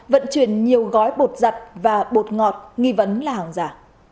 vận chuyển nhiều gói bột giặt và bột ngọt nghi vấn là hàng giả